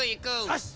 よし！